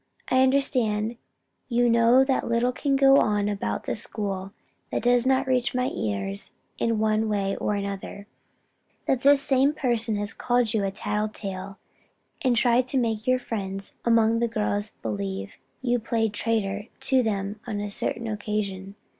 I understand you know that little can go on about the school that does not reach my ears in one way or another that this same person has called you a 'tattle tale' and tried to make your friends among the girls believe that you played traitor to them on a certain occasion.